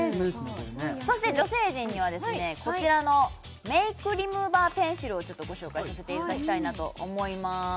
これねそして女性陣にはですねこちらのメイクリムーバーペンシルをご紹介させていただきたいなと思います